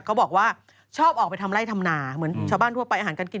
เขาบอกว่าชอบออกไปทำไล่ทำนาเหมือนชาวบ้านทั่วไปอาหารการกิน